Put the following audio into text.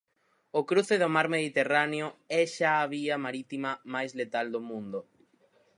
O cruce do mar Mediterráneo é xa a vía marítima máis letal do mundo.